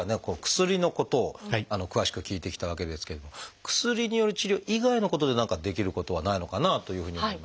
薬のことを詳しく聞いてきたわけですけれども薬による治療以外のことで何かできることはないのかなというふうに思いますが。